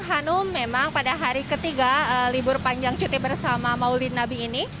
hanum memang pada hari ketiga libur panjang cuti bersama maulid nabi ini